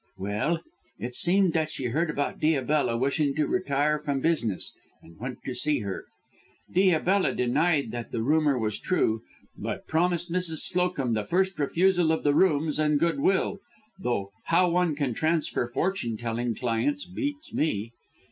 "Well, it seemed that she heard about Diabella wishing to retire from business and went to see her. Diabella denied that the rumour was true, but promised Mrs. Slowcomb the first refusal of the rooms and goodwill, though how one can transfer fortune telling clients beats me.